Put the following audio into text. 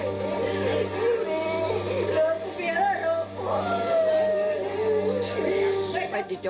พี่มีรูปเบียนแล้วลูกคุณ